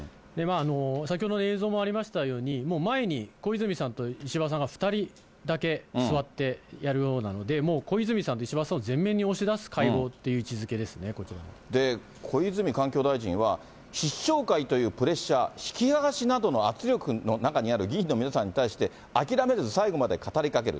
先ほどの映像もありましたように、前に小泉さんと石破さんが２人だけ座ってやるようなので、もう小泉さんと石破さんを前面に押し出す会合という位置づけです小泉環境大臣は、必勝会というプレッシャー、引き剥がしなどの圧力の中にある議員の皆さんに対して、諦めず最後まで語りかける。